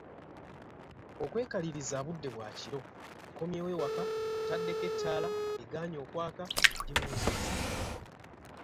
Okwekaliriza budde bwa kiro, nkomyewo ewaka, ntaddeko ettaala, egaanye okwaka, ndi mu nzikiza!